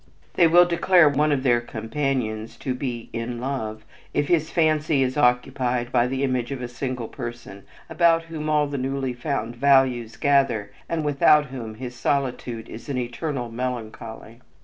They will declare one of their companions to be "in love" if his fancy is occupied by the image of a single person about whom all the newly found values gather, and without whom his solitude is an eternal melancholy.